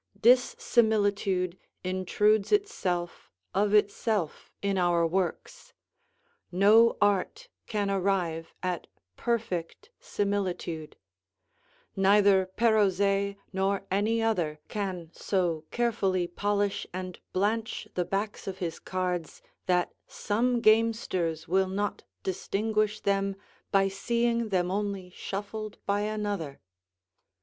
Dissimilitude intrudes itself of itself in our works; no art can arrive at perfect similitude: neither Perrozet nor any other can so carefully polish and blanch the backs of his cards that some gamesters will not distinguish them by seeing them only shuffled by another.